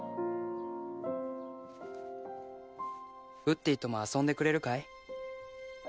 「ウッディとも遊んでくれるかい？」